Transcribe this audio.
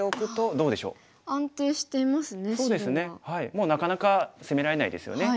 もうなかなか攻められないですよね。